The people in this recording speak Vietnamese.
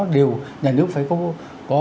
đều nhà nước phải có có